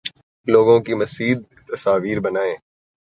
لوگوں کی مزید تصاویر بنائیں